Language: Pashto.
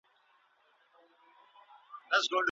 د هلکانو لیلیه په ناسمه توګه نه رهبري کیږي.